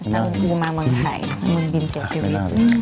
อ๋อแล้วผมมาเมืองไทยเมืองบินเสียชีวิต